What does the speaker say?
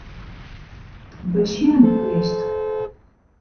Besjenlist.